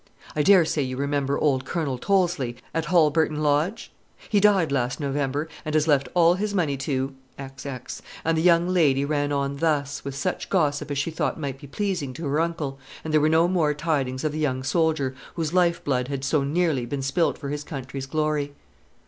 I daresay you remember old Colonel Tollesly, at Halburton Lodge? He died last November; and has left all his money to " and the young lady ran on thus, with such gossip as she thought might be pleasing to her uncle; and there were no more tidings of the young soldier, whose life blood had so nearly been spilt for his country's glory.